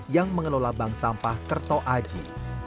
yang mengelola bank sampah kerto aji